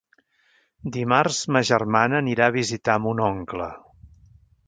Dimarts ma germana anirà a visitar mon oncle.